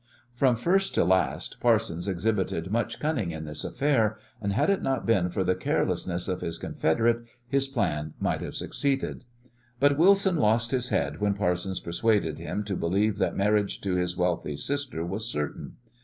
From first to last Parsons exhibited much cunning in this affair, and had it not been for the carelessness of his confederate his plan might have succeeded. But Wilson lost his head when Parsons persuaded him to believe that marriage to his wealthy sister was certain.